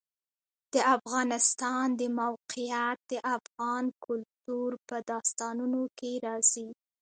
د افغانستان د موقعیت د افغان کلتور په داستانونو کې راځي.